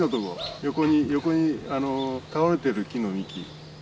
横に横に倒れてる木の幹。